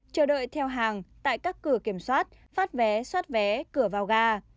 chờ đợi theo hàng tại các cửa kiểm soát phát vé xoát vé cửa vào ga